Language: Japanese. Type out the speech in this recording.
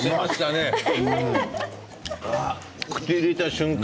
口に入れた瞬間